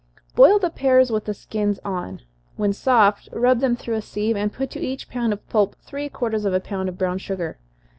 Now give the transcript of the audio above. _ Boil the pears with the skins on. When soft, rub them through a sieve, and put to each pound of pulp three quarters of a pound of brown sugar.